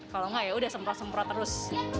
kalau nggak yaudah semprot semprot terus